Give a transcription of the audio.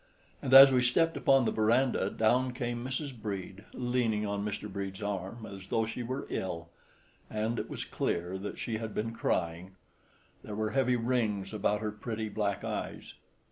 And, as we stepped upon the verandah, down came Mrs. Brede, leaning on Mr. Brede's arm, as though she were ill; and it was clear that she had been crying. There were heavy rings about her pretty black eyes.